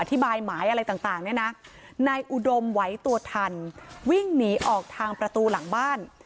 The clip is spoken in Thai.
หมายอะไรต่างเนี่ยนะนายอุดมไหวตัวทันวิ่งหนีออกทางประตูหลังบ้าน